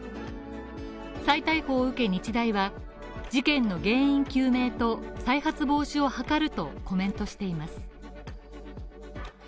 再逮捕を受け日大は、事件の原因究明と再発防止を図るとコメントしています。